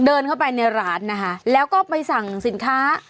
เดินเข้าไปในร้านนะคะแล้วก็ไปสั่งสินค้า